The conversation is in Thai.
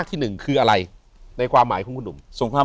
อยู่ที่แม่ศรีวิรัยิลครับ